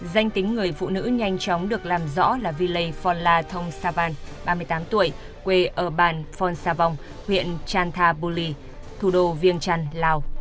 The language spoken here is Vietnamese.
danh tính người phụ nữ nhanh chóng được làm rõ là villei phonla thong savan ba mươi tám tuổi quê ở ban phon savong huyện chantabuli thủ đô viêng trăn lào